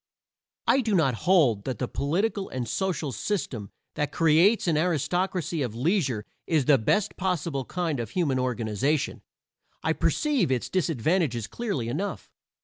I do not hold that the political and social system that creates an aristocracy of leisure is the best possible kind of human organization; I perceive its disadvantages clearly enough.